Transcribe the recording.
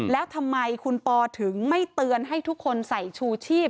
แล้วทำไมคุณปอถึงไม่เตือนให้ทุกคนใส่ชูชีพ